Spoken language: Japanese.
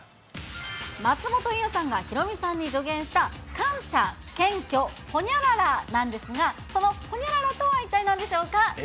松本伊代さんがヒロミさんに助言した感謝、謙虚、ほにゃららなんですが、そのほにゃららとは、一体なんでしょうか。